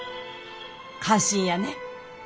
感心やね。